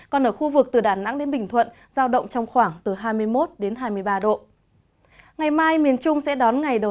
còn ở khu vực từ đà nẵng đến bình thuận giao động trong khoảng từ hai mươi một đến hai mươi ba độ